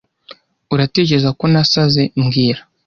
Uratekereza ko nasaze mbwira